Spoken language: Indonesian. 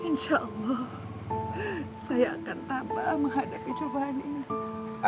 insyaallah saya akan tabah menghadapi cobaan ini